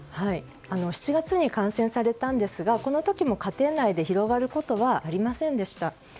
７月に感染されたんですがこの時も家庭内で広がることはありませんでした。